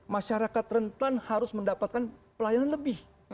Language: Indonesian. masyarakat rentan harus mendapatkan pelayanan lebih